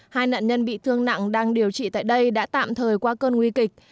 hai nạn nhân bị thương nặng đang điều trị tại đây đã tạm thời qua cơn nguy kịch